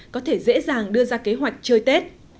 có thể dễ dàng đưa ra kế hoạch chơi tết